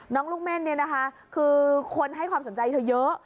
น้องลูกเม่นคือคนให้ความสนใจเธอเยอะ